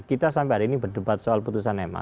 kita sampai hari ini berdebat soal putusan ma